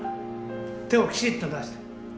手をきちっと出して。